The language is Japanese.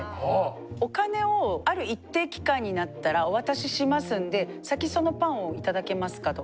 お金をある一定期間になったらお渡ししますんで先そのパンを頂けますかと。